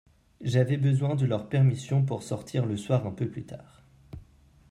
J’avais besoin de leur permission pour sortir le soir un peu plus tard.